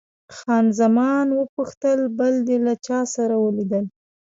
خان زمان وپوښتل، بل دې له چا سره ولیدل؟